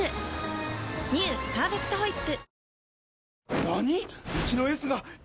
「パーフェクトホイップ」